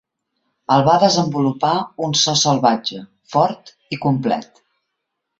El va desenvolupar un so salvatge, fort i complet.